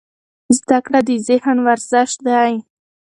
زده کړه د ذهن ورزش دی.